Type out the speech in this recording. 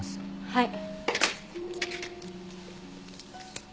はい。